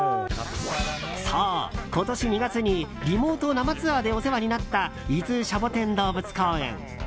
そう、今年２月にリモート生ツアーでお世話になった伊豆シャボテン動物公園。